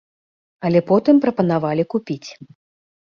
Але потым прапанавалі купіць.